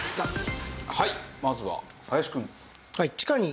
はいまずは林くん。